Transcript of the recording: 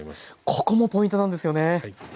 ここもポイントなんですよね？